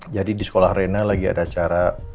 jadi di sekolah reina lagi ada acara